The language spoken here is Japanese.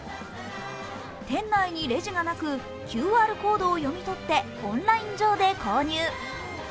店内にレジがなく、ＱＲコードを読み取ってオンライン上で購入。